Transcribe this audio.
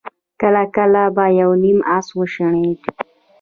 کله کله به يو نيم آس وشڼېد.